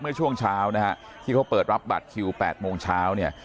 เมื่อช่วงเช้านะฮะที่เขาเปิดรับบัตรคิว๘โมงเช้าเนี่ย